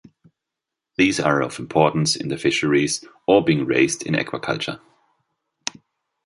These are of importance in the fisheries or being raised in aquaculture.